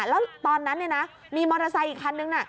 แล้วตอนนั้นมีมอเตอร์ไซค์อีกคันนึงน่ะ